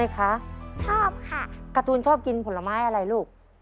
การ์ตูนชอบกินผลไม้อะไรลูก